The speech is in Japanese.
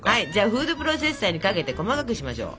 フードプロセッサーにかけて細かくしましょう。